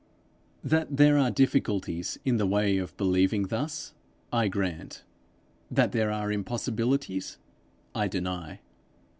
That there are difficulties in the way of believing thus, I grant; that there are impossibilities, I deny.